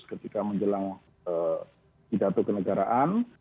ketika menjelang pidato kenegaraan